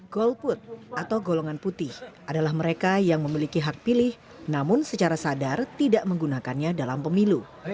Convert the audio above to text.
golput atau golongan putih adalah mereka yang memiliki hak pilih namun secara sadar tidak menggunakannya dalam pemilu